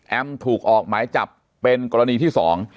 แอมถูกออกหมายจับเป็นกรณีที่๒